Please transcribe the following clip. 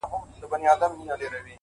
مهرباني خاموشه اغېز لري؛